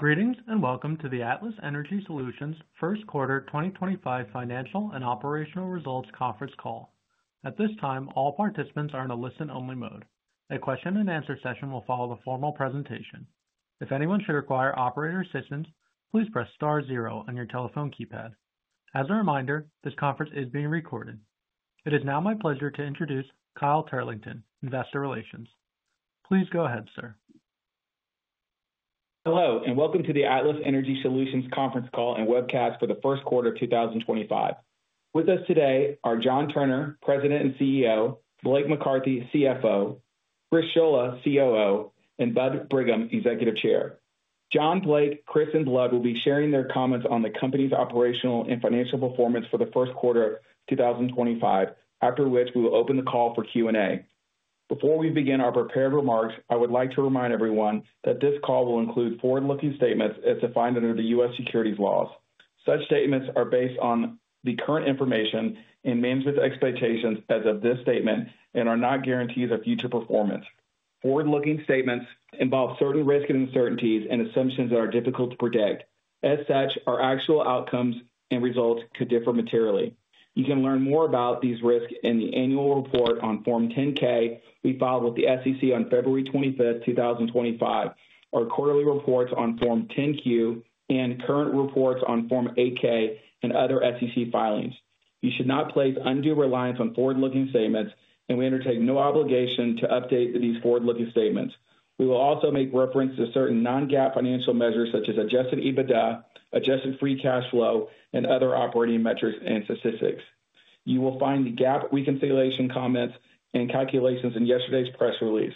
Greetings and welcome to the Atlas Energy Solutions First Quarter 2025 Financial and Operational Results Conference Call. At this time, all participants are in a listen-only mode. A question-and-answer session will follow the formal presentation. If anyone should require operator assistance, please press star zero on your telephone keypad. As a reminder, this conference is being recorded. It is now my pleasure to introduce Kyle Turlington, Investor Relations. Please go ahead, sir. Hello and welcome to the Atlas Energy Solutions Conference Call and webcast for the first quarter of 2025. With us today are John Turner, President and CEO; Blake McCarthy, CFO; Chris Scholla, COO; and Bud Brigham, Executive Chair. John, Blake, Chris, and Bud will be sharing their comments on the company's operational and financial performance for the first quarter of 2025, after which we will open the call for Q&A. Before we begin our prepared remarks, I would like to remind everyone that this call will include forward-looking statements as defined under the U.S. securities laws. Such statements are based on the current information and management's expectations as of this statement and are not guarantees of future performance. Forward-looking statements involve certain risks and uncertainties and assumptions that are difficult to predict. As such, our actual outcomes and results could differ materially. You can learn more about these risks in the annual report on Form 10-K we filed with the SEC on February 25, 2025, our quarterly reports on Form 10-Q, and current reports on Form 8-K and other SEC filings. You should not place undue reliance on forward-looking statements, and we undertake no obligation to update these forward-looking statements. We will also make reference to certain non-GAAP financial measures such as adjusted EBITDA, adjusted free cash flow, and other operating metrics and statistics. You will find the GAAP reconciliation comments and calculations in yesterday's press release.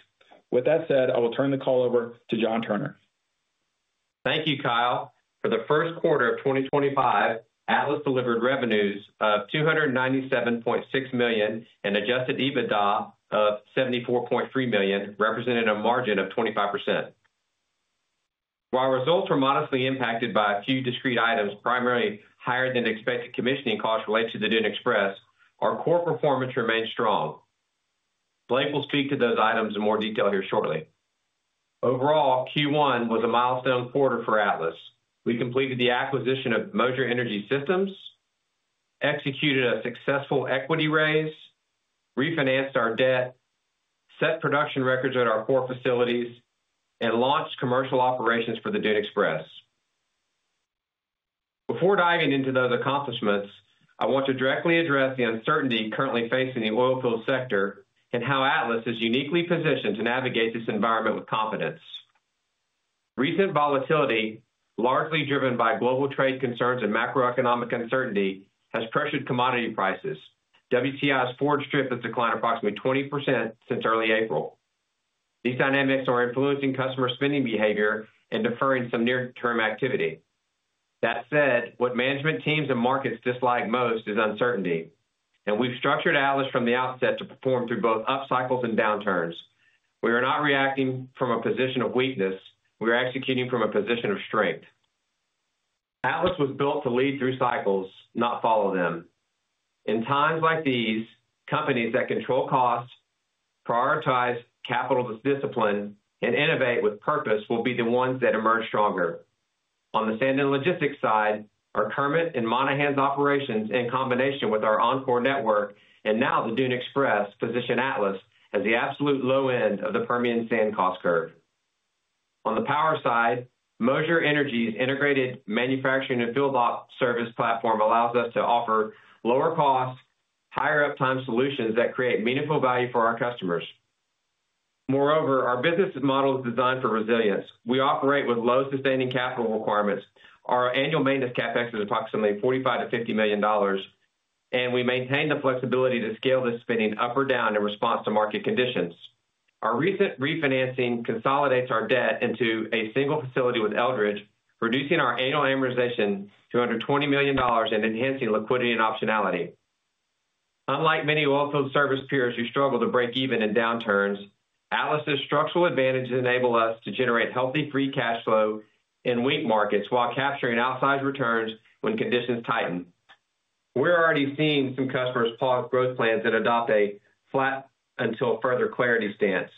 With that said, I will turn the call over to John Turner. Thank you, Kyle. For the first quarter of 2025, Atlas delivered revenues of $297.6 million and adjusted EBITDA of $74.3 million, representing a margin of 25%. While results were modestly impacted by a few discrete items, primarily higher-than-expected commissioning costs related to the Dune Express, our core performance remained strong. Blake will speak to those items in more detail here shortly. Overall, Q1 was a milestone quarter for Atlas. We completed the acquisition of Moser Energy Systems, executed a successful equity raise, refinanced our debt, set production records at our four facilities, and launched commercial operations for the Dune Express. Before diving into those accomplishments, I want to directly address the uncertainty currently facing the oilfield sector and how Atlas is uniquely positioned to navigate this environment with confidence. Recent volatility, largely driven by global trade concerns and macroeconomic uncertainty, has pressured commodity prices. WTI's forward shift has declined approximately 20% since early April. These dynamics are influencing customer spending behavior and deferring some near-term activity. That said, what management teams and markets dislike most is uncertainty, and we've structured Atlas from the outset to perform through both up cycles and downturns. We are not reacting from a position of weakness; we are executing from a position of strength. Atlas was built to lead through cycles, not follow them. In times like these, companies that control costs, prioritize capital discipline, and innovate with purpose will be the ones that emerge stronger. On the sand and logistics side, our Kermit and Monahans operations, in combination with our OnCore network and now the Dune Express, position Atlas as the absolute low end of the Permian sand cost curve. On the power side, Moser Energy's integrated manufacturing and field op service platform allows us to offer lower cost, higher uptime solutions that create meaningful value for our customers. Moreover, our business model is designed for resilience. We operate with low sustaining capital requirements. Our annual maintenance CapEx is approximately $45 million-$50 million, and we maintain the flexibility to scale this spending up or down in response to market conditions. Our recent refinancing consolidates our debt into a single facility with Eldridge, reducing our annual amortization to under $20 million and enhancing liquidity and optionality. Unlike many oilfield service peers who struggle to break even in downturns, Atlas's structural advantages enable us to generate healthy free cash flow in weak markets while capturing outsized returns when conditions tighten. We're already seeing some customers pause growth plans and adopt a flat until further clarity stance.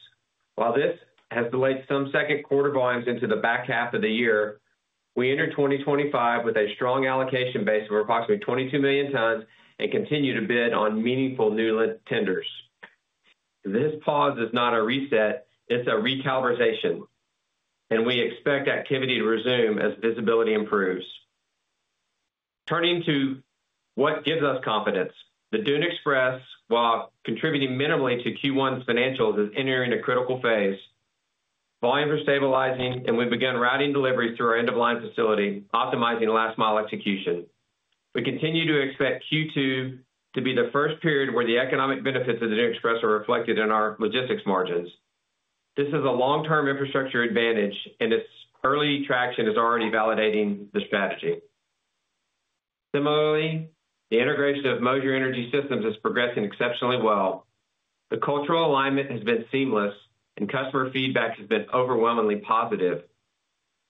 While this has delayed some second quarter volumes into the back half of the year, we entered 2025 with a strong allocation base of approximately 22 million tons and continue to bid on meaningful new tenders. This pause is not a reset; it is a recalibration, and we expect activity to resume as visibility improves. Turning to what gives us confidence, the Dune Express, while contributing minimally to Q1's financials, is entering a critical phase. Volumes are stabilizing, and we have begun routing deliveries through our end-of-line facility, optimizing last-mile execution. We continue to expect Q2 to be the first period where the economic benefits of the Dune Express are reflected in our logistics margins. This is a long-term infrastructure advantage, and its early traction is already validating the strategy. Similarly, the integration of Moser Energy Systems is progressing exceptionally well. The cultural alignment has been seamless, and customer feedback has been overwhelmingly positive.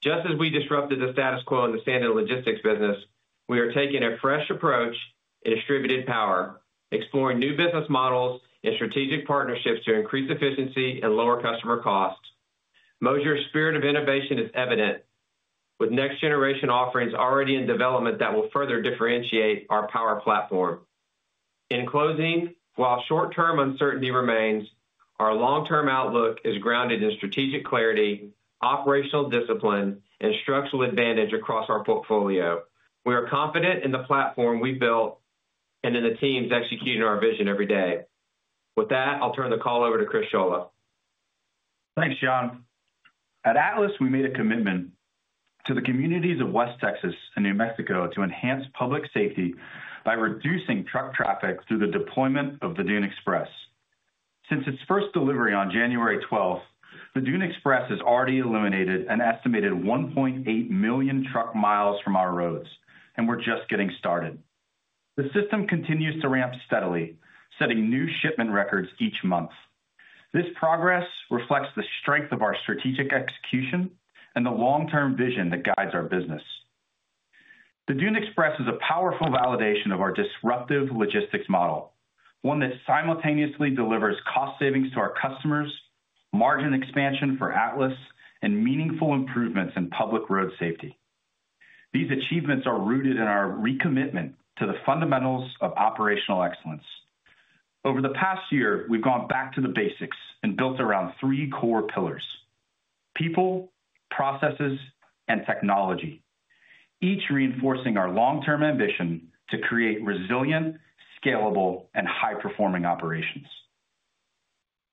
Just as we disrupted the status quo in the sand and logistics business, we are taking a fresh approach in distributed power, exploring new business models and strategic partnerships to increase efficiency and lower customer costs. Moser's spirit of innovation is evident, with next-generation offerings already in development that will further differentiate our power platform. In closing, while short-term uncertainty remains, our long-term outlook is grounded in strategic clarity, operational discipline, and structural advantage across our portfolio. We are confident in the platform we've built and in the teams executing our vision every day. With that, I'll turn the call over to Chris Scholla. Thanks, John. At Atlas, we made a commitment to the communities of West Texas and New Mexico to enhance public safety by reducing truck traffic through the deployment of the Dune Express. Since its first delivery on January 12, the Dune Express has already eliminated an estimated 1.8 million truck miles from our roads, and we're just getting started. The system continues to ramp steadily, setting new shipment records each month. This progress reflects the strength of our strategic execution and the long-term vision that guides our business. The Dune Express is a powerful validation of our disruptive logistics model, one that simultaneously delivers cost savings to our customers, margin expansion for Atlas, and meaningful improvements in public road safety. These achievements are rooted in our recommitment to the fundamentals of operational excellence. Over the past year, we've gone back to the basics and built around three core pillars: people, processes, and technology, each reinforcing our long-term ambition to create resilient, scalable, and high-performing operations.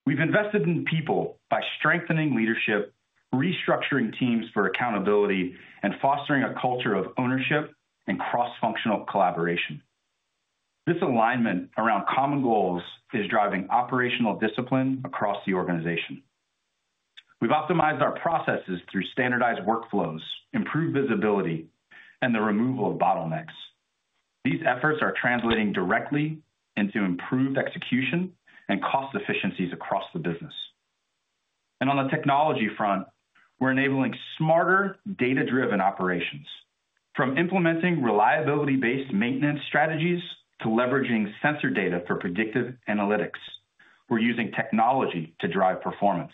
We've invested in people by strengthening leadership, restructuring teams for accountability, and fostering a culture of ownership and cross-functional collaboration. This alignment around common goals is driving operational discipline across the organization. We've optimized our processes through standardized workflows, improved visibility, and the removal of bottlenecks. These efforts are translating directly into improved execution and cost efficiencies across the business. On the technology front, we're enabling smarter, data-driven operations. From implementing reliability-based maintenance strategies to leveraging sensor data for predictive analytics, we're using technology to drive performance.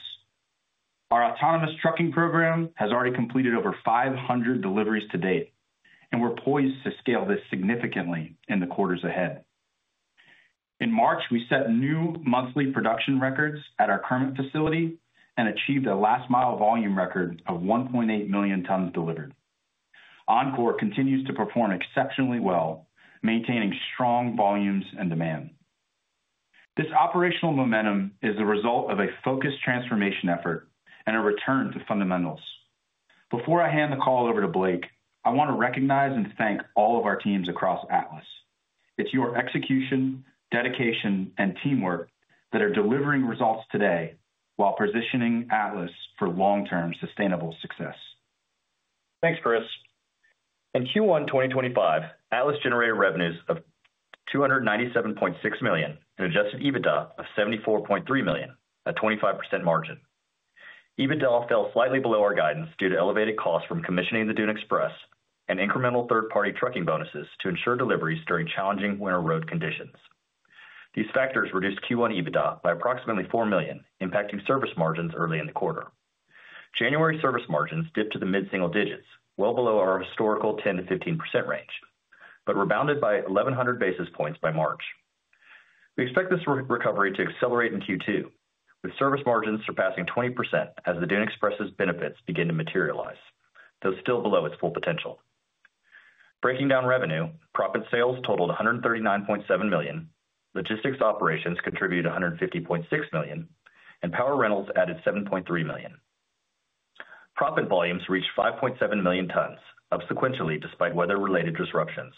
Our autonomous trucking program has already completed over 500 deliveries to date, and we're poised to scale this significantly in the quarters ahead. In March, we set new monthly production records at our Kermit facility and achieved a last-mile volume record of 1.8 million tons delivered. OnCore continues to perform exceptionally well, maintaining strong volumes and demand. This operational momentum is the result of a focused transformation effort and a return to fundamentals. Before I hand the call over to Blake, I want to recognize and thank all of our teams across Atlas. It's your execution, dedication, and teamwork that are delivering results today while positioning Atlas for long-term sustainable success. Thanks, Chris. In Q1 2025, Atlas generated revenues of $297.6 million and adjusted EBITDA of $74.3 million, a 25% margin. EBITDA fell slightly below our guidance due to elevated costs from commissioning the Dune Express and incremental third-party trucking bonuses to ensure deliveries during challenging winter road conditions. These factors reduced Q1 EBITDA by approximately $4 million, impacting service margins early in the quarter. January service margins dipped to the mid-single digits, well below our historical 10%-15% range, but rebounded by 1,100 basis points by March. We expect this recovery to accelerate in Q2, with service margins surpassing 20% as the Dune Express's benefits begin to materialize, though still below its full potential. Breaking down revenue, proppant sales totaled $139.7 million, logistics operations contributed $150.6 million, and power rentals added $7.3 million. Proppant volumes reached 5.7 million tons, up sequentially despite weather-related disruptions.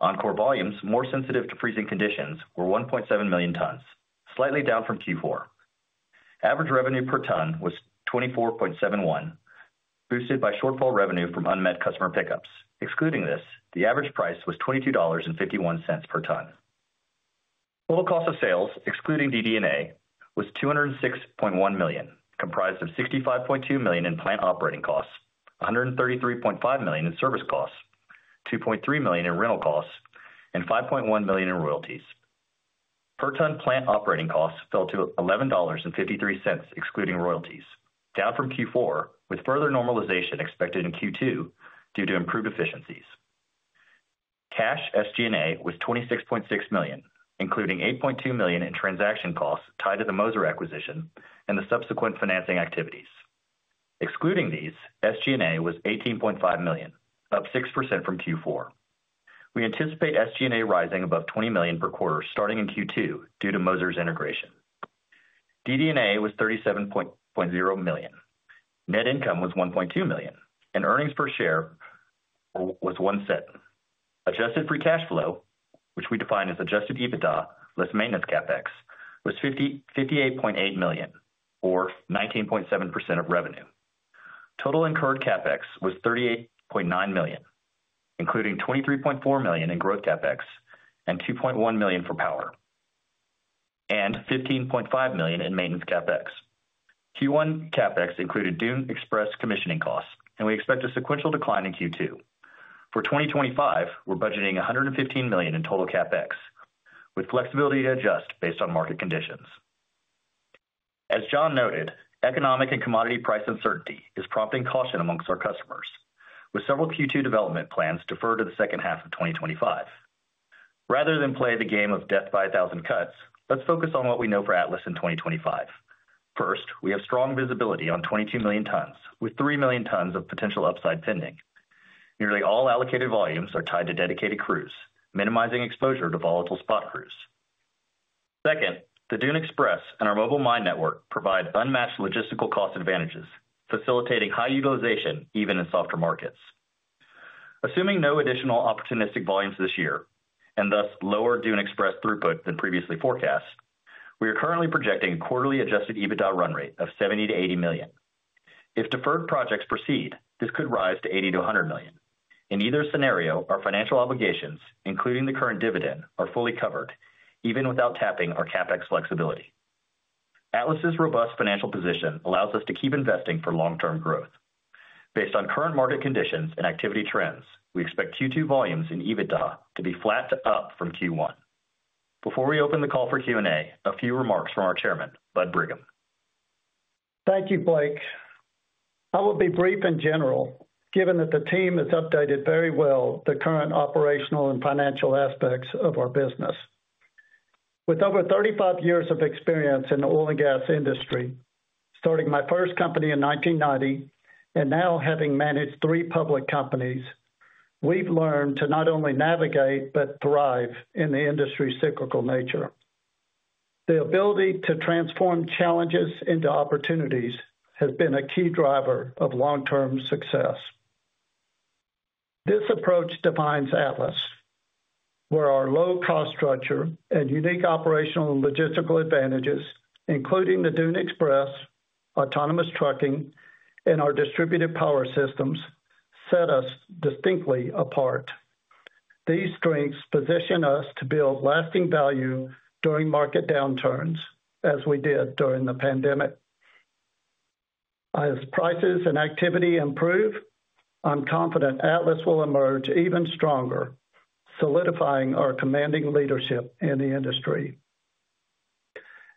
Encore volumes, more sensitive to freezing conditions, were 1.7 million tons, slightly down from Q4. Average revenue per ton was $24.71, boosted by shortfall revenue from unmet customer pickups. Excluding this, the average price was $22.51 per ton. Total cost of sales, excluding DD&A, was $206.1 million, comprised of $65.2 million in plant operating costs, $133.5 million in service costs, $2.3 million in rental costs, and $5.1 million in royalties. Per ton plant operating costs fell to $11.53, excluding royalties, down from Q4, with further normalization expected in Q2 due to improved efficiencies. Cash SG&A was $26.6 million, including $8.2 million in transaction costs tied to the Moser acquisition and the subsequent financing activities. Excluding these, SG&A was $18.5 million, up 6% from Q4. We anticipate SG&A rising above $20 million per quarter starting in Q2 due to Moser's integration. DD&A was $37.0 million. Net income was $1.2 million, and earnings per share was $0.01. Adjusted free cash flow, which we define as adjusted EBITDA less maintenance CapEx, was $58.8 million, or 19.7% of revenue. Total incurred CapEx was $38.9 million, including $23.4 million in growth CapEx and $2.1 million for power, and $15.5 million in maintenance CapEx. Q1 CapEx included Dune Express commissioning costs, and we expect a sequential decline in Q2. For 2025, we're budgeting $115 million in total CapEx, with flexibility to adjust based on market conditions. As John noted, economic and commodity price uncertainty is prompting caution amongst our customers, with several Q2 development plans deferred to the second half of 2025. Rather than play the game of death by a thousand cuts, let's focus on what we know for Atlas in 2025. First, we have strong visibility on 22 million tons, with 3 million tons of potential upside pending. Nearly all allocated volumes are tied to dedicated crews, minimizing exposure to volatile spot crews. Second, the Dune Express and our mobile mine network provide unmatched logistical cost advantages, facilitating high utilization even in softer markets. Assuming no additional opportunistic volumes this year and thus lower Dune Express throughput than previously forecast, we are currently projecting a quarterly adjusted EBITDA run rate of $70 million-$80 million. If deferred projects proceed, this could rise to $80 million-$100 million. In either scenario, our financial obligations, including the current dividend, are fully covered, even without tapping our CapEx flexibility. Atlas's robust financial position allows us to keep investing for long-term growth. Based on current market conditions and activity trends, we expect Q2 volumes and EBITDA to be flat to up from Q1. Before we open the call for Q&A, a few remarks from our Chairman, Bud Brigham. Thank you, Blake. I will be brief and general, given that the team has updated very well the current operational and financial aspects of our business. With over 35 years of experience in the oil and gas industry, starting my first company in 1990 and now having managed three public companies, we've learned to not only navigate but thrive in the industry's cyclical nature. The ability to transform challenges into opportunities has been a key driver of long-term success. This approach defines Atlas, where our low-cost structure and unique operational and logistical advantages, including the Dune Express, autonomous trucking, and our distributed power systems, set us distinctly apart. These strengths position us to build lasting value during market downturns, as we did during the pandemic. As prices and activity improve, I'm confident Atlas will emerge even stronger, solidifying our commanding leadership in the industry.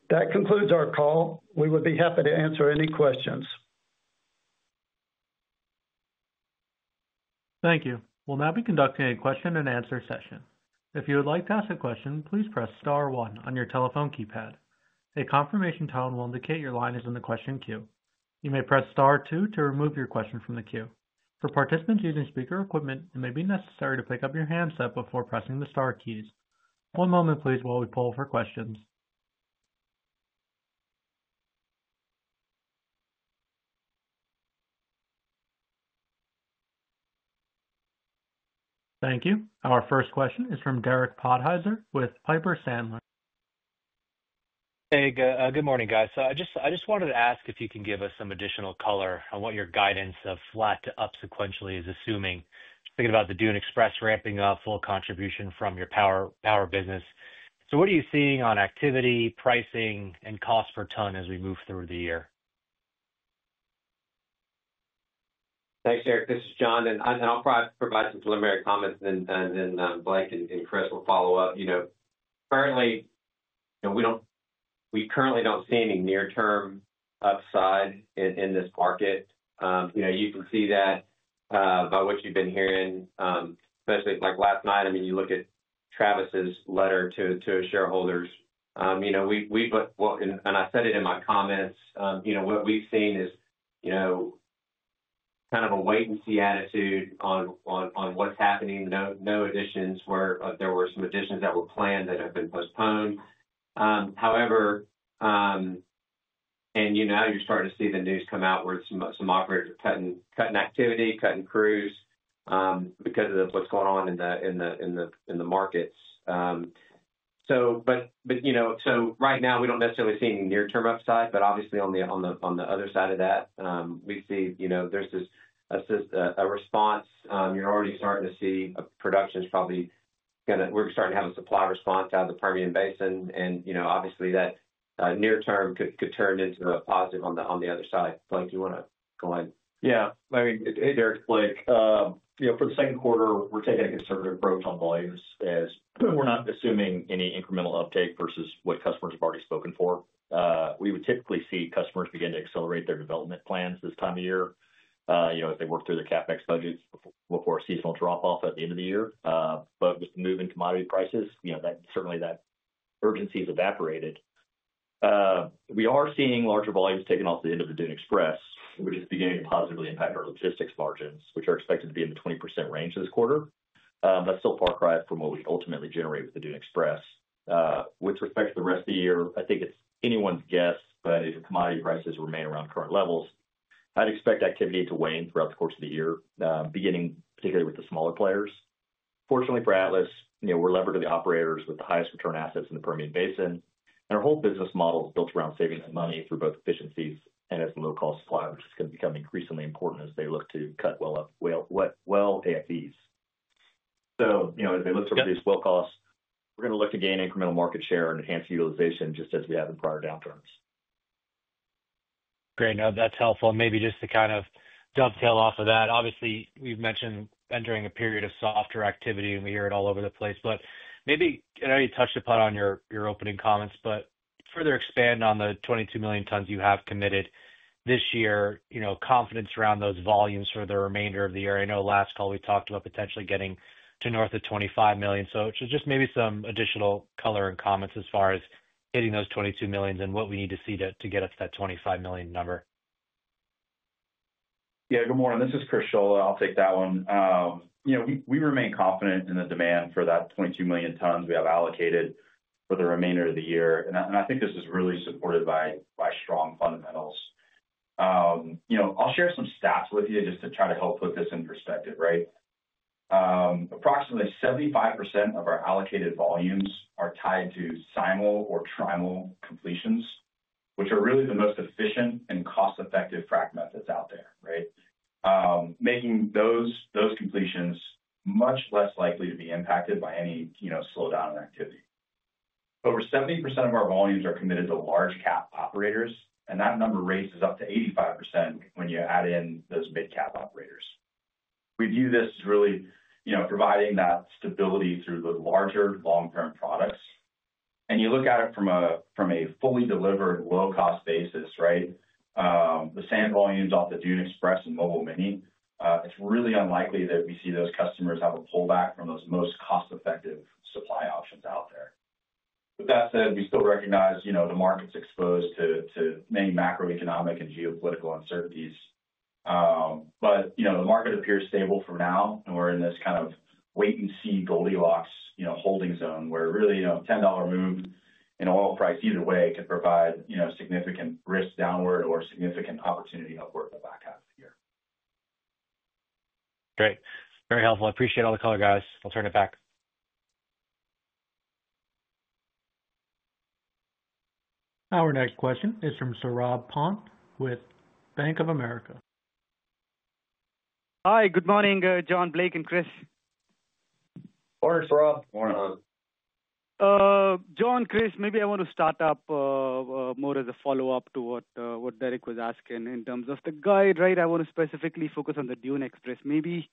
That concludes our call. We would be happy to answer any questions. Thank you. We'll now be conducting a question-and-answer session. If you would like to ask a question, please press star one on your telephone keypad. A confirmation tone will indicate your line is in the question queue. You may press star two to remove your question from the queue. For participants using speaker equipment, it may be necessary to pick up your handset before pressing the star keys. One moment, please, while we pull for questions. Thank you. Our first question is from Derek Podhaizer with Piper Sandler. Hey, good morning, guys. I just wanted to ask if you can give us some additional color on what your guidance of flat to up sequentially is assuming, thinking about the Dune Express ramping up, full contribution from your power business. What are you seeing on activity, pricing, and cost per ton as we move through the year? Thanks, Derek. This is John, and I'll probably provide some preliminary comments, and then Blake and Chris will follow up. Currently, we don't see any near-term upside in this market. You can see that by what you've been hearing, especially like last night. I mean, you look at Travis's letter to his shareholders. I said it in my comments, what we've seen is kind of a wait-and-see attitude on what's happening. No additions. There were some additions that were planned that have been postponed. However, now you're starting to see the news come out where some operators are cutting activity, cutting crews because of what's going on in the markets. Right now, we don't necessarily see any near-term upside, but obviously, on the other side of that, we see there's a response. You're already starting to see production's probably going to—we're starting to have a supply response out of the Permian Basin, and obviously, that near-term could turn into a positive on the other side. Blake, do you want to go ahead? Yeah. I mean, Derek, Blake, for the second quarter, we're taking a conservative approach on volumes as we're not assuming any incremental uptake versus what customers have already spoken for. We would typically see customers begin to accelerate their development plans this time of year as they work through their CapEx budgets before a seasonal drop-off at the end of the year. With the move in commodity prices, certainly that urgency has evaporated. We are seeing larger volumes taken off the end of the Dune Express, which is beginning to positively impact our logistics margins, which are expected to be in the 20% range this quarter. That is still a far cry from what we ultimately generate with the Dune Express. With respect to the rest of the year, I think it's anyone's guess, but if commodity prices remain around current levels, I'd expect activity to wane throughout the course of the year, beginning particularly with the smaller players. Fortunately for Atlas, we're leveraging the operators with the highest return assets in the Permian Basin, and our whole business model is built around saving that money through both efficiencies and as a low-cost supply, which is going to become increasingly important as they look to cut well AFEs. As they look to reduce well costs, we're going to look to gain incremental market share and enhance utilization just as we have in prior downturns. Great. No, that's helpful. Maybe just to kind of dovetail off of that, obviously, we've mentioned entering a period of softer activity, and we hear it all over the place. Maybe I know you touched upon it in your opening comments, but further expand on the 22 million tons you have committed this year, confidence around those volumes for the remainder of the year. I know last call we talked about potentially getting to north of 25 million tons. Just maybe some additional color and comments as far as hitting those 22 million and what we need to see to get up to that 25 million tons number. Yeah. Good morning. This is Chris Scholla. I'll take that one. We remain confident in the demand for that 22 million tons we have allocated for the remainder of the year. I think this is really supported by strong fundamentals. I'll share some stats with you just to try to help put this in perspective, right? Approximately 75% of our allocated volumes are tied to Simul or Trimul completions, which are really the most efficient and cost-effective frac methods out there, right? Making those completions much less likely to be impacted by any slowdown in activity. Over 70% of our volumes are committed to large-cap operators, and that number raises up to 85% when you add in those mid-cap operators. We view this as really providing that stability through the larger long-term products. You look at it from a fully delivered low-cost basis, right? The sand volumes off the Dune Express and Mobile Mini, it's really unlikely that we see those customers have a pullback from those most cost-effective supply options out there. With that said, we still recognize the market's exposed to many macroeconomic and geopolitical uncertainties. The market appears stable for now, and we're in this kind of wait-and-see Goldilocks holding zone where really a $10 move in oil price either way could provide significant risk downward or significant opportunity upward in the back half of the year. Great. Very helpful. I appreciate all the color, guys. I'll turn it back. Our next question is from Saurabh Pant with Bank of America. Hi. Good morning, John, Blake, and Chris. Morning, Saurabh. Morning. John, Chris, maybe I want to start up more as a follow-up to what Derek was asking in terms of the guide, right? I want to specifically focus on the Dune Express. Maybe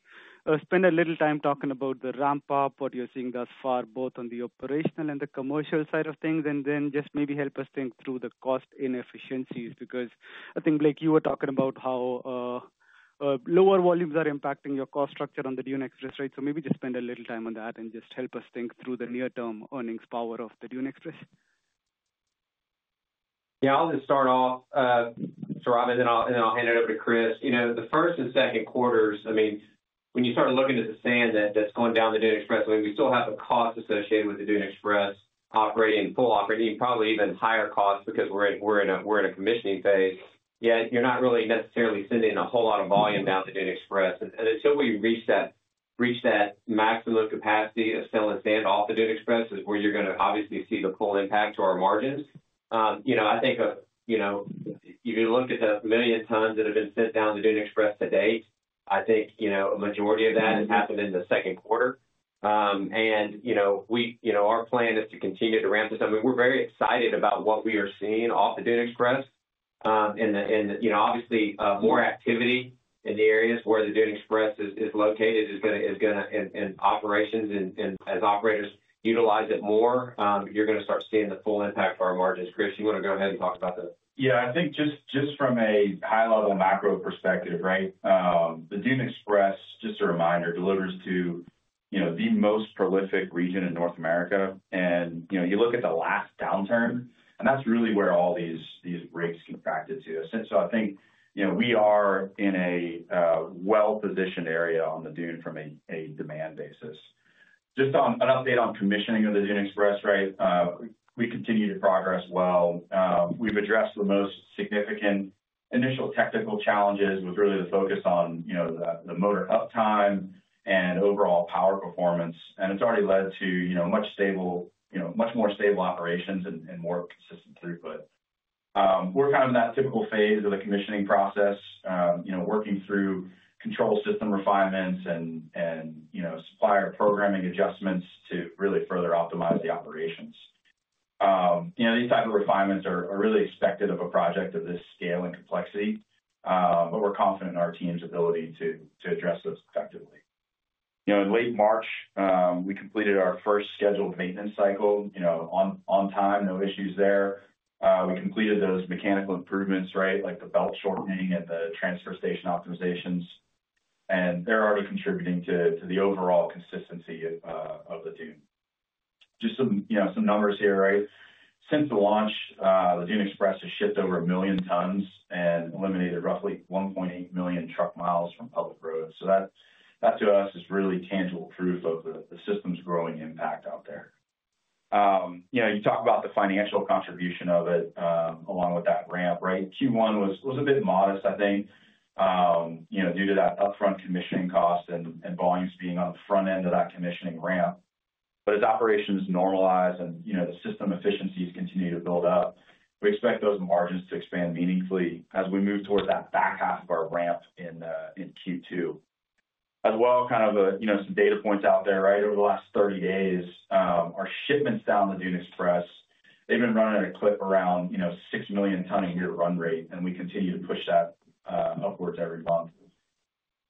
spend a little time talking about the ramp-up, what you're seeing thus far, both on the operational and the commercial side of things, and then just maybe help us think through the cost inefficiencies because I think, Blake, you were talking about how lower volumes are impacting your cost structure on the Dune Express, right? Maybe just spend a little time on that and just help us think through the near-term earnings power of the Dune Express. Yeah. I'll just start off, Saurabh, and then I'll hand it over to Chris. The first and second quarters, I mean, when you start looking at the sand that's going down the Dune Express, I mean, we still have a cost associated with the Dune Express operating, full operating, probably even higher cost because we're in a commissioning phase. Yet you're not really necessarily sending a whole lot of volume down the Dune Express. Until we reach that maximum capacity of selling sand off the Dune Express is where you're going to obviously see the full impact to our margins. I think if you look at the million tons that have been sent down the Dune Express to date, I think a majority of that has happened in the second quarter. Our plan is to continue to ramp this up. I mean, we're very excited about what we are seeing off the Dune Express. Obviously, more activity in the areas where the Dune Express is located is going to, and operations and as operators utilize it more, you're going to start seeing the full impact to our margins. Chris, you want to go ahead and talk about that? Yeah. I think just from a high-level macro perspective, right? The Dune Express, just a reminder, delivers to the most prolific region in North America. You look at the last downturn, and that's really where all these rigs contracted to. I think we are in a well-positioned area on the Dune from a demand basis. Just an update on commissioning of the Dune Express, right? We continue to progress well. We've addressed the most significant initial technical challenges with really the focus on the motor uptime and overall power performance. It's already led to much more stable operations and more consistent throughput. We're kind of in that typical phase of the commissioning process, working through control system refinements and supplier programming adjustments to really further optimize the operations. These types of refinements are really expected of a project of this scale and complexity, but we're confident in our team's ability to address those effectively. In late March, we completed our first scheduled maintenance cycle on time, no issues there. We completed those mechanical improvements, right, like the belt shortening and the transfer station optimizations. They're already contributing to the overall consistency of the Dune. Just some numbers here, right? Since the launch, the Dune Express has shipped over 1 million tons and eliminated roughly 1.8 million truck miles from public roads. That, to us, is really tangible proof of the system's growing impact out there. You talk about the financial contribution of it along with that ramp, right? Q1 was a bit modest, I think, due to that upfront commissioning cost and volumes being on the front end of that commissioning ramp. As operations normalize and the system efficiencies continue to build up, we expect those margins to expand meaningfully as we move towards that back half of our ramp in Q2. As well, kind of some data points out there, right? Over the last 30 days, our shipments down the Dune Express, they've been running at a clip around 6 million ton a year run rate, and we continue to push that upwards every month.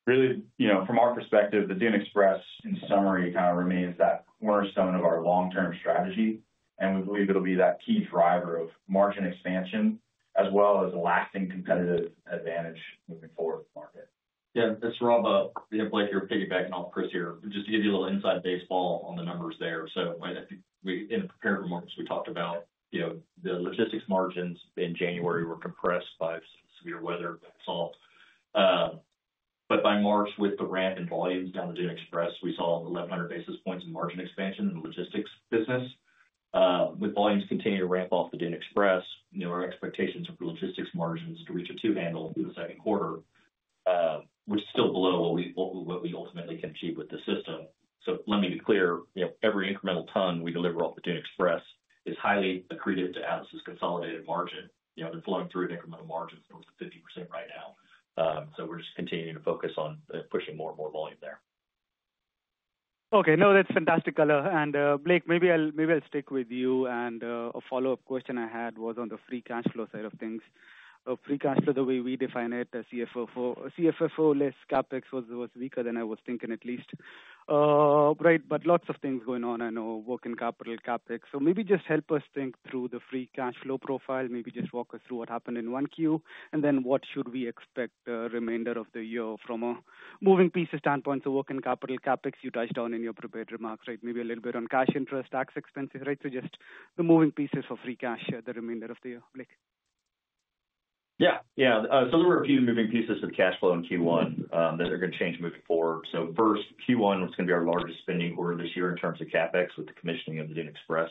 Really, from our perspective, the Dune Express, in summary, kind of remains that cornerstone of our long-term strategy, and we believe it'll be that key driver of margin expansion as well as lasting competitive advantage moving forward with the market. Yeah. And Saurabh, Blake here, piggybacking off Chris here, just to give you a little inside baseball on the numbers there. In the prepared remarks, we talked about the logistics margins in January were compressed by severe weather, but by March, with the ramp in volumes down the Dune Express, we saw 1,100 basis points of margin expansion in the logistics business. With volumes continuing to ramp off the Dune Express, our expectations for logistics margins to reach a two-handle in the second quarter, which is still below what we ultimately can achieve with the system. Let me be clear, every incremental ton we deliver off the Dune Express is highly accretive to Atlas's consolidated margin. They are flowing through an incremental margin of over 50% right now. We are just continuing to focus on pushing more and more volume there. Okay. No, that's fantastic, color. And Blake, maybe I'll stick with you. A follow-up question I had was on the free cash flow side of things. Free cash flow, the way we define it, CFFO-less CapEx, was weaker than I was thinking at least, right? Lots of things going on, I know, working capital, CapEx. Maybe just help us think through the free cash flow profile. Maybe just walk us through what happened in 1Q, and then what should we expect the remainder of the year from a moving pieces standpoint. Working capital, CapEx, you touched on in your prepared remarks, right? Maybe a little bit on cash interest, tax expenses, right? Just the moving pieces for free cash, the remainder of the year, Blake? Yeah. Yeah. There were a few moving pieces of cash flow in Q1 that are going to change moving forward. First, Q1 was going to be our largest spending quarter this year in terms of CapEx with the commissioning of the Dune Express.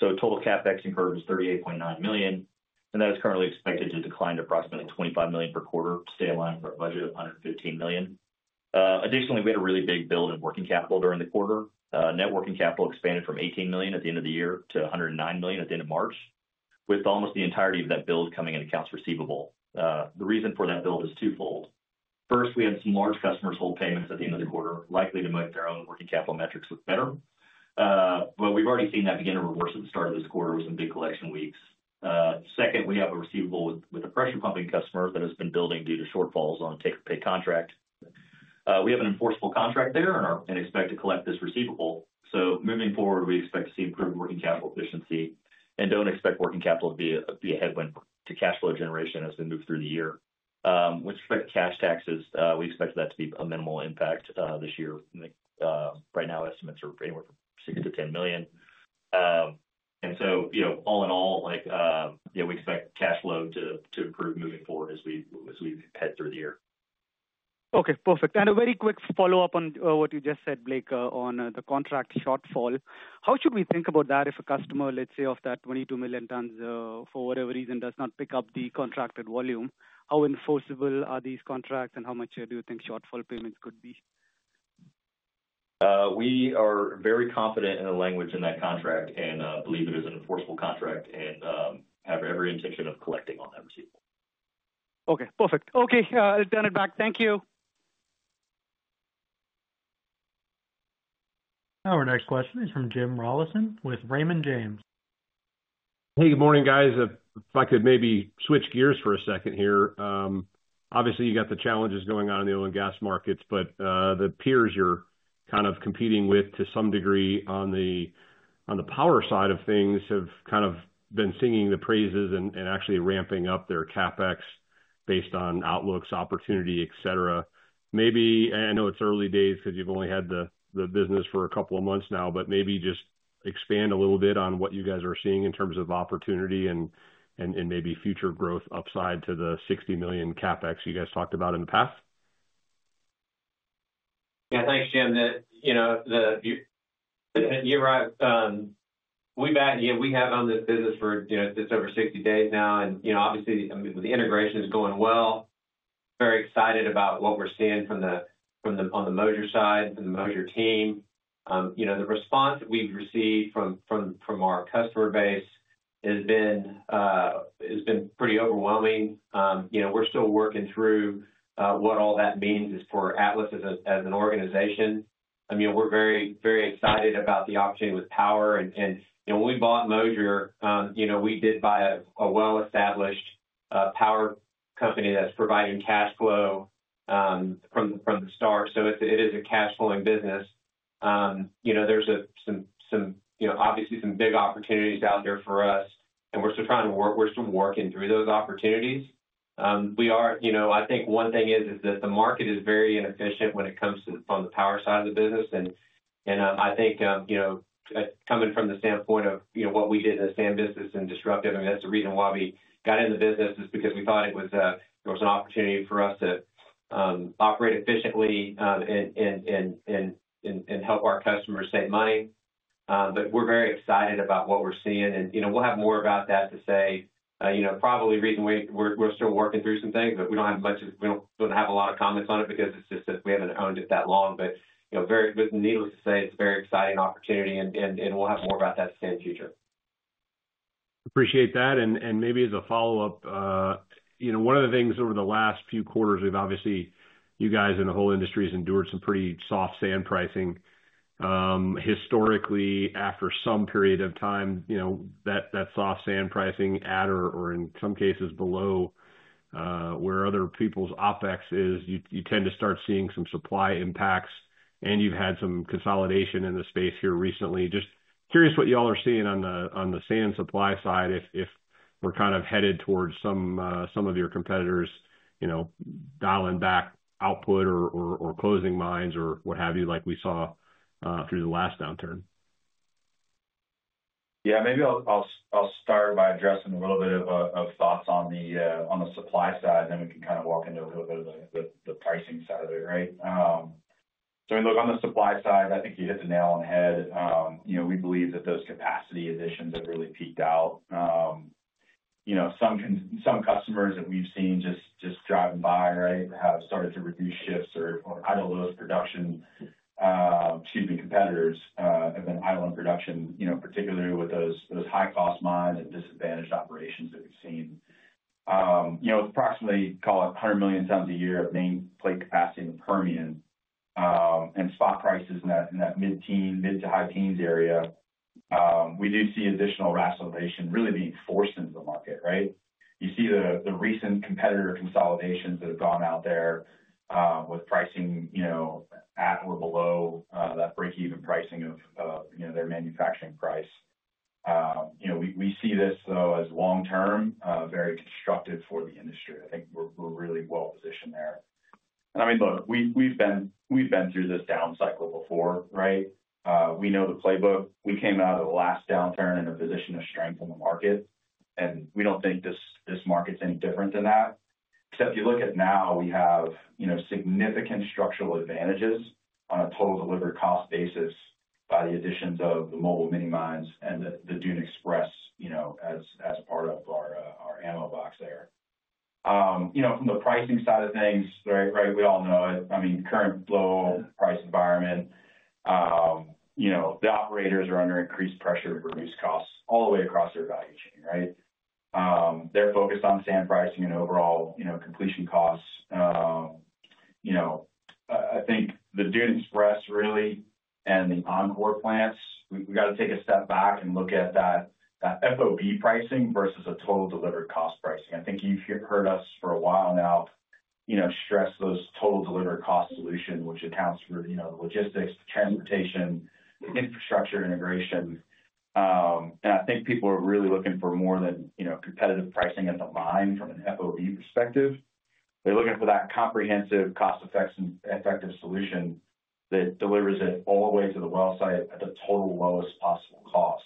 Total CapEx incurred was $38.9 million, and that is currently expected to decline to approximately $25 million per quarter, stay aligned with our budget of $115 million. Additionally, we had a really big build in working capital during the quarter. Net working capital expanded from $18 million at the end of the year to $109 million at the end of March, with almost the entirety of that build coming into accounts receivable. The reason for that build is twofold. First, we had some large customers hold payments at the end of the quarter, likely to make their own working capital metrics look better. We have already seen that begin to reverse at the start of this quarter with some big collection weeks. Second, we have a receivable with a pressure pumping customer that has been building due to shortfalls on a take-or-pay contract. We have an enforceable contract there and expect to collect this receivable. Moving forward, we expect to see improved working capital efficiency and do not expect working capital to be a headwind to cash flow generation as we move through the year. With respect to cash taxes, we expect that to be a minimal impact this year. Right now, estimates are anywhere from $6 million-$10 million. All in all, we expect cash flow to improve moving forward as we head through the year. Okay. Perfect. A very quick follow-up on what you just said, Blake, on the contract shortfall. How should we think about that if a customer, let's say, of that 22 million tons for whatever reason does not pick up the contracted volume? How enforceable are these contracts, and how much do you think shortfall payments could be? We are very confident in the language in that contract and believe it is an enforceable contract and have every intention of collecting on that receivable. Okay. Perfect. Okay. I'll turn it back. Thank you. Our next question is from Jim Rollyson with Raymond James. Hey, good morning, guys. If I could maybe switch gears for a second here. Obviously, you got the challenges going on in the oil and gas markets, but the peers you're kind of competing with to some degree on the power side of things have kind of been singing the praises and actually ramping up their CapEx based on outlooks, opportunity, etc. Maybe I know it's early days because you've only had the business for a couple of months now, but maybe just expand a little bit on what you guys are seeing in terms of opportunity and maybe future growth upside to the $60 million CapEx you guys talked about in the past. Yeah. Thanks, Jim. The year we've had on this business for it's over 60 days now. Obviously, the integration is going well. Very excited about what we're seeing on the Moser side and the Moser team. The response that we've received from our customer base has been pretty overwhelming. We're still working through what all that means for Atlas as an organization. I mean, we're very, very excited about the opportunity with power. When we bought Moser, we did buy a well-established power company that's providing cash flow from the start. It is a cash-flowing business. There's obviously some big opportunities out there for us, and we're still trying to work. We're still working through those opportunities. I think one thing is that the market is very inefficient when it comes to on the power side of the business. I think coming from the standpoint of what we did in the sand business and disruptive, I mean, that's the reason why we got in the business is because we thought there was an opportunity for us to operate efficiently and help our customers save money. We're very excited about what we're seeing. We'll have more about that to say. Probably the reason we're still working through some things, we don't have a lot of comments on it because it's just that we haven't owned it that long. Needless to say, it's a very exciting opportunity, and we'll have more about that to say in the future. Appreciate that. Maybe as a follow-up, one of the things over the last few quarters, obviously, you guys and the whole industry have endured some pretty soft sand pricing. Historically, after some period of time, that soft sand pricing at or in some cases below where other people's OpEx is, you tend to start seeing some supply impacts, and you've had some consolidation in the space here recently. Just curious what y'all are seeing on the sand supply side if we're kind of headed towards some of your competitors dialing back output or closing mines or what have you like we saw through the last downturn. Yeah. Maybe I'll start by addressing a little bit of thoughts on the supply side, and then we can kind of walk into a little bit of the pricing side of it, right? We look on the supply side, I think you hit the nail on the head. We believe that those capacity additions have really peaked out. Some customers that we've seen just driving by, right, have started to reduce shifts or idle those production, excuse me, competitors have been idling production, particularly with those high-cost mines and disadvantaged operations that we've seen. It's approximately, call it, 100 million tons a year of main plate capacity in the Permian and spot prices in that mid-teen, mid-to-high teens area. We do see additional rationalization really being forced into the market, right? You see the recent competitor consolidations that have gone out there with pricing at or below that break-even pricing of their manufacturing price. We see this though as long-term, very constructive for the industry. I think we're really well positioned there. I mean, look, we've been through this down cycle before, right? We know the playbook. We came out of the last downturn in a position of strength in the market, and we don't think this market's any different than that. Except you look at now, we have significant structural advantages on a total delivered cost basis by the additions of the mobile mini mines and the Dune Express as part of our ammo box there. From the pricing side of things, right, we all know it. I mean, current low price environment, the operators are under increased pressure to reduce costs all the way across their value chain, right? They're focused on sand pricing and overall completion costs. I think the Dune Express really and the OnCore plants, we got to take a step back and look at that FOB pricing versus a total delivered cost pricing. I think you've heard us for a while now stress those total delivered cost solutions, which accounts for the logistics, the transportation, infrastructure integration. I think people are really looking for more than competitive pricing at the mine from an FOB perspective. They're looking for that comprehensive cost-effective solution that delivers it all the way to the well site at the total lowest possible cost.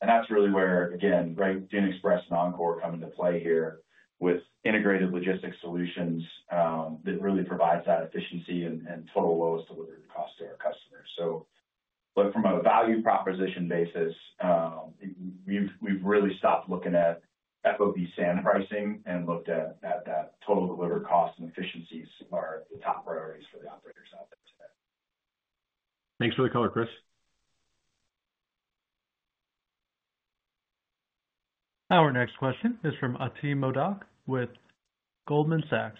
That is really where, again, right, Dune Express and OnCore come into play here with integrated logistics solutions that really provide that efficiency and total lowest delivery cost to our customers. From a value proposition basis, we have really stopped looking at FOB sand pricing and looked at that total delivered cost and efficiencies are the top priorities for the operators out there today. Thanks for the color, Chris. Our next question is from Ati Modak with Goldman Sachs.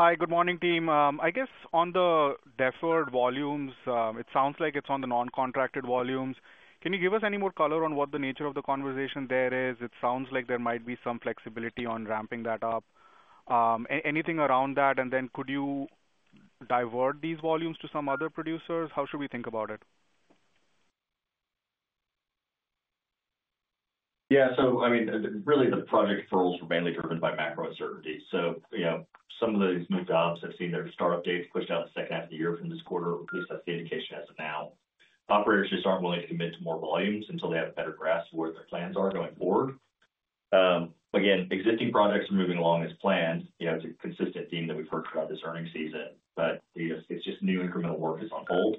Hi, good morning, team. I guess on the deferred volumes, it sounds like it's on the non-contracted volumes. Can you give us any more color on what the nature of the conversation there is? It sounds like there might be some flexibility on ramping that up. Anything around that? Could you divert these volumes to some other producers? How should we think about it? Yeah. I mean, really the project referrals were mainly driven by macro uncertainties. Some of those new jobs have seen their startup dates pushed out to the second half of the year from this quarter, at least that's the indication as of now. Operators just aren't willing to commit to more volumes until they have a better grasp of where their plans are going forward. Again, existing projects are moving along as planned. It's a consistent theme that we've heard throughout this earnings season, but new incremental work is on hold.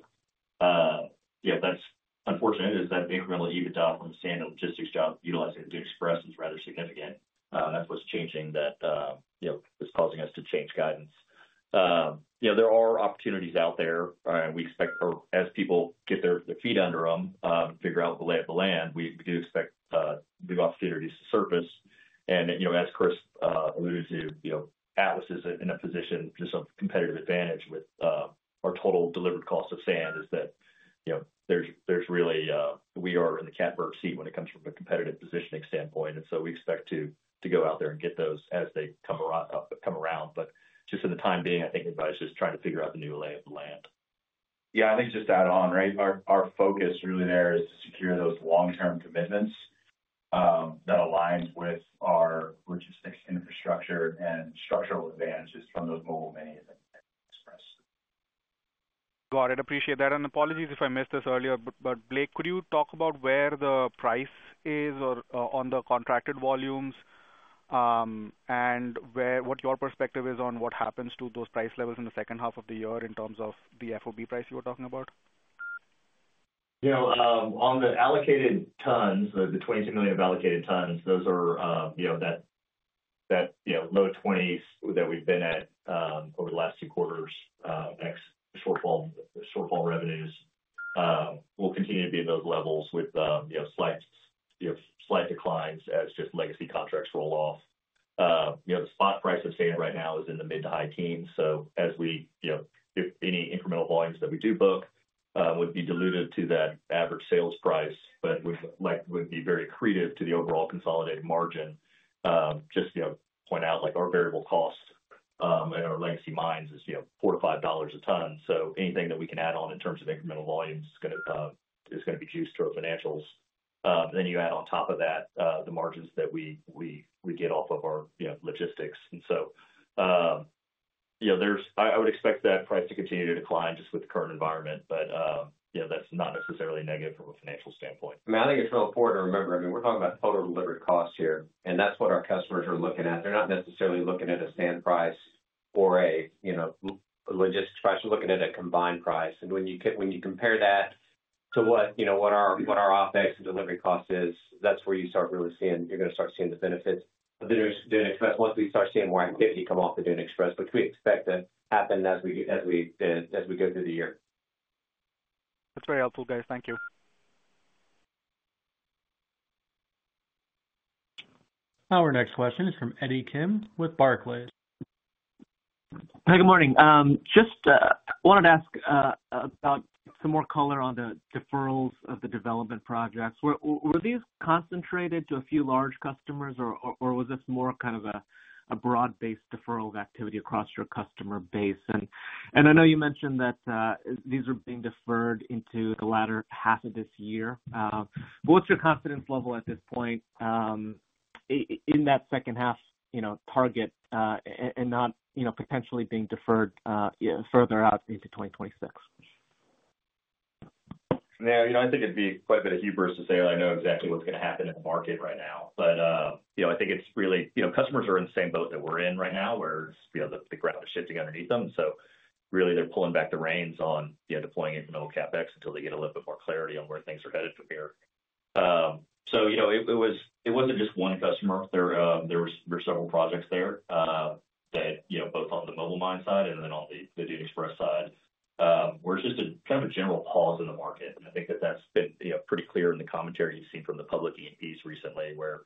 What's unfortunate is that the incremental EBITDA from the sand and logistics job utilizing the Dune Express is rather significant. That's what's changing that is causing us to change guidance. There are opportunities out there, and we expect as people get their feet under them, figure out the lay of the land, we do expect new opportunities to surface. As Chris alluded to, Atlas is in a position of competitive advantage with our total delivered cost of sand, in that we are in the catbird seat when it comes from a competitive positioning standpoint. We expect to go out there and get those as they come around. For the time being, I think everybody's just trying to figure out the new lay of the land. Yeah. I think just to add on, right? Our focus really there is to secure those long-term commitments that align with our logistics infrastructure and structural advantages from those mobile mini and express. Got it. Appreciate that. Apologies if I missed this earlier, but Blake, could you talk about where the price is on the contracted volumes and what your perspective is on what happens to those price levels in the second half of the year in terms of the FOB price you were talking about? On the allocated tons, the 22 million of allocated tons, those are that low 20s that we've been at over the last two quarters' shortfall revenues. We'll continue to be at those levels with slight declines as just legacy contracts roll off. The spot price of sand right now is in the mid to high teens. If any incremental volumes that we do book would be diluted to that average sales price, but would be very accretive to the overall consolidated margin. Just point out our variable cost in our legacy mines is $4-$5 a ton. Anything that we can add on in terms of incremental volumes is going to be juiced to our financials. You add on top of that the margins that we get off of our logistics. I would expect that price to continue to decline just with the current environment, but that's not necessarily negative from a financial standpoint. I mean, I think it's real important to remember, I mean, we're talking about total delivered cost here, and that's what our customers are looking at. They're not necessarily looking at a sand price or a logistics price. They're looking at a combined price. When you compare that to what our OpEx and delivery cost is, that's where you start really seeing you're going to start seeing the benefits of the Dune Express once we start seeing more activity come off the Dune Express, which we expect to happen as we go through the year. That's very helpful, guys. Thank you. Our next question is from Eddie Kim with Barclays. Hi, good morning. Just wanted to ask about some more color on the deferrals of the development projects. Were these concentrated to a few large customers, or was this more kind of a broad-based deferral of activity across your customer base? I know you mentioned that these are being deferred into the latter half of this year. What's your confidence level at this point in that second-half target and not potentially being deferred further out into 2026? Yeah. I think it'd be quite a bit of hubris to say that I know exactly what's going to happen in the market right now. I think it's really customers are in the same boat that we're in right now where the ground is shifting underneath them. Really, they're pulling back the reins on deploying incremental CapEx until they get a little bit more clarity on where things are headed from here. It wasn't just one customer. There were several projects there that both on the mobile mine side and then on the Dune Express side. We're just in kind of a general pause in the market. I think that that's been pretty clear in the commentary you've seen from the public E&Ps recently where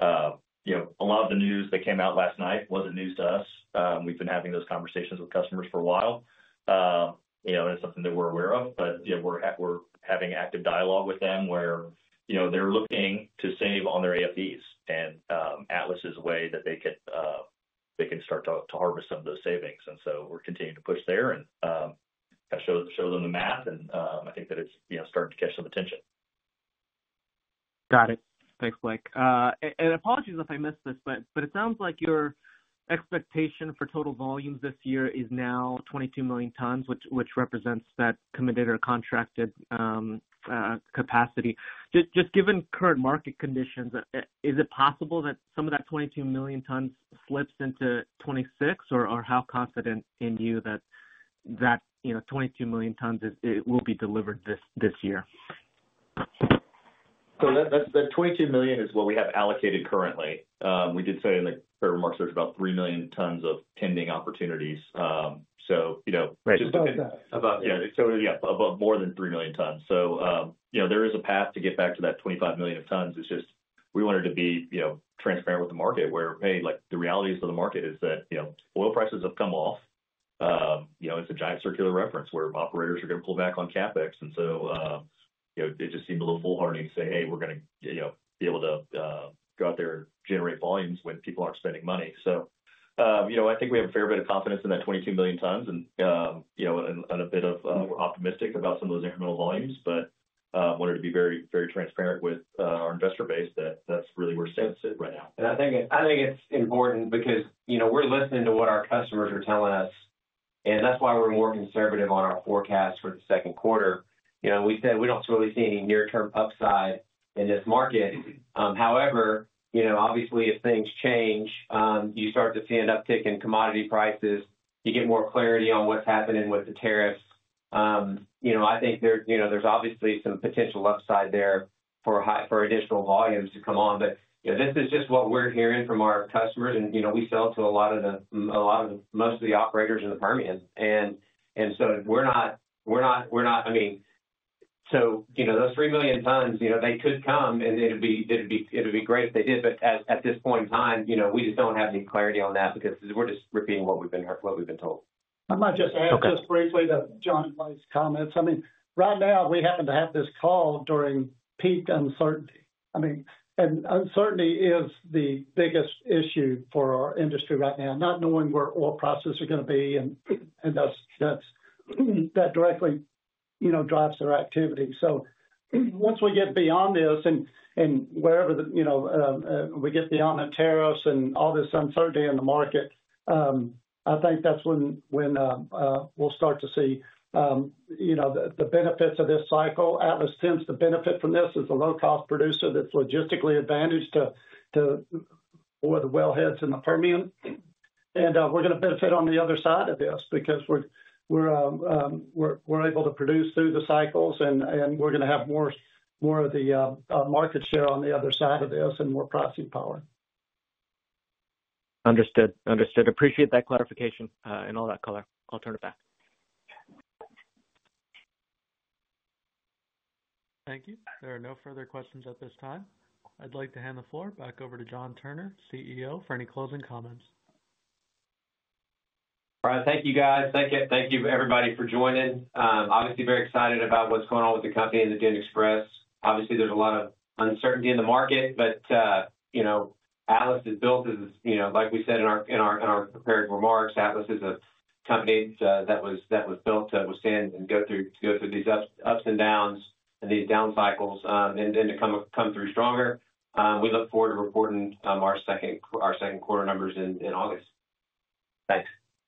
a lot of the news that came out last night wasn't news to us. We've been having those conversations with customers for a while. It's something that we're aware of, but we're having active dialogue with them where they're looking to save on their AFEs and Atlas's way that they can start to harvest some of those savings. We're continuing to push there and show them the math. I think that it's starting to catch some attention. Got it. Thanks, Blake. Apologies if I missed this, but it sounds like your expectation for total volumes this year is now 22 million tons, which represents that committed or contracted capacity. Just given current market conditions, is it possible that some of that 22 million tons slips into 2026? Or how confident are you that that 22 million tons will be delivered this year? That $22 million is what we have allocated currently. We did say in the remarks there's about 3 million tons of pending opportunities, so just depending. Right. About that. Yeah. So yeah, about more than 3 million tons. There is a path to get back to that 25 million tons. We wanted to be transparent with the market where, hey, the realities of the market are that oil prices have come off. It is a giant circular reference where operators are going to pull back on CapEx. It just seemed a little foolhardy to say, "Hey, we're going to be able to go out there and generate volumes when people aren't spending money." I think we have a fair bit of confidence in that 22 million tons and we are optimistic about some of those incremental volumes, but wanted to be very, very transparent with our investor base that that's really where sand's sitting right now. I think it's important because we're listening to what our customers are telling us, and that's why we're more conservative on our forecast for the second quarter. We said we don't really see any near-term upside in this market. However, obviously, if things change, you start to see an uptick in commodity prices. You get more clarity on what's happening with the tariffs. I think there's obviously some potential upside there for additional volumes to come on. This is just what we're hearing from our customers, and we sell to most of the operators in the Permian. We're not, I mean, those 3 million tons, they could come, and it'd be great if they did. At this point in time, we just don't have any clarity on that because we're just repeating what we've been told. I might just add just briefly to John Blake's comments. I mean, right now, we happen to have this call during peak uncertainty. I mean, and uncertainty is the biggest issue for our industry right now, not knowing where oil prices are going to be. That directly drives their activity. Once we get beyond this and wherever we get beyond the tariffs and all this uncertainty in the market, I think that's when we'll start to see the benefits of this cycle. Atlas tends to benefit from this as a low-cost producer that's logistically advantaged to more of the wellheads in the Permian. We're going to benefit on the other side of this because we're able to produce through the cycles, and we're going to have more of the market share on the other side of this and more pricing power. Understood. Understood. Appreciate that clarification and all that color. I'll turn it back. Thank you. There are no further questions at this time. I'd like to hand the floor back over to John Turner, CEO, for any closing comments. All right. Thank you, guys. Thank you, everybody, for joining. Obviously, very excited about what's going on with the company and the Dune Express. Obviously, there's a lot of uncertainty in the market, but Atlas is built, like we said in our prepared remarks, Atlas is a company that was built to withstand and go through these ups and downs and these down cycles and to come through stronger. We look forward to reporting our second quarter numbers in August. Thanks.